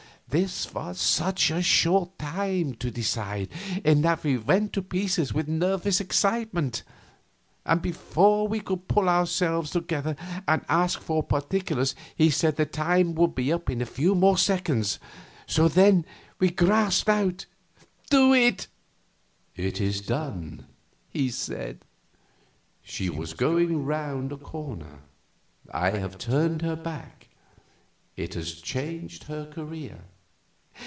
This was such a short time to decide in that we went to pieces with nervous excitement, and before we could pull ourselves together and ask for particulars he said the time would be up in a few more seconds; so then we gasped out, "Do it!" "It is done," he said; "she was going around a corner; I have turned her back; it has changed her career."